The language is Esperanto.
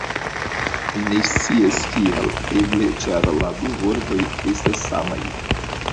Mi ne scias kial. Eble ĉar la du vortoj estas samaj!